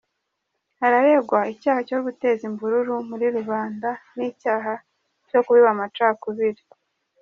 Araregwa icyaha cyo guteza imvururu muri rubanda n’icyaha cyo kubiba amacakubiri.